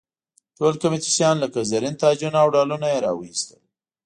ټول قیمتي شیان لکه زرین تاجونه او ډالونه یې را واېستل.